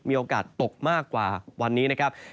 มีโอกาสตกมากกว่าวันนี้